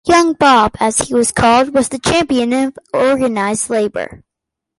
"Young Bob," as he was called, was a champion of organized labor.